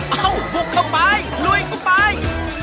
อ้าวผูกเข้าไปลุยเข้าไป